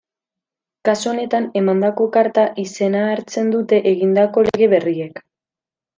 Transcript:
Kasu honetan Emandako Karta izena hartzen dute egindako lege berriek.